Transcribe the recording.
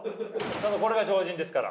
これが超人ですから。